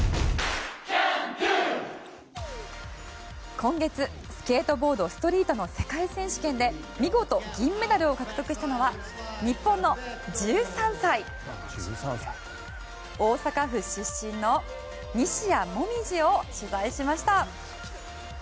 今月スケートボード・ストリートの世界選手権で見事、銀メダルを獲得したのは日本の１３歳、大阪府出身の西矢椛を取材しました。